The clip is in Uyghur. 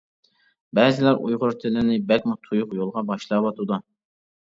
بەزىلەر ئۇيغۇر تىلىنى بەكمۇ تۇيۇق يولغا باشلاۋاتىدۇ.